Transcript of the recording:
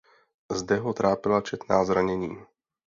Zde ho trápila četná zranění.